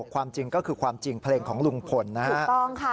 ความจริงก็คือความจริงเพลงของลุงพลนะฮะถูกต้องค่ะ